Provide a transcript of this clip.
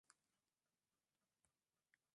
katika eneo hilo hilo mwishoni mwaka jana